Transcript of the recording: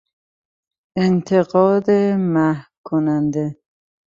انتقاد محوکننده